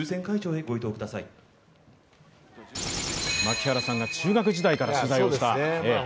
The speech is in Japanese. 槙原さんが中学時代から取材をした。